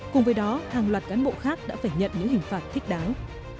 cùng với đó hàng loạt cán bộ khác đã phải nhận những hình phạt thích đáng